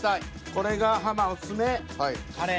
これがハマおすすめカレー。